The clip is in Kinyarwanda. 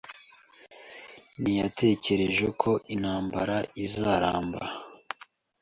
Ntiyatekereje ko intambara izaramba.